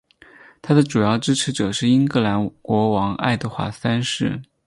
他的主要支持者是英格兰国王爱德华三世。